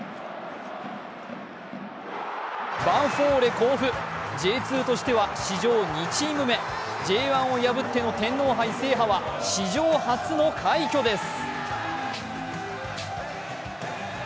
ヴァンフォーレ甲府、Ｊ２としては史上２チーム目、Ｊ１を破っての天皇杯制覇は史上初の快挙です。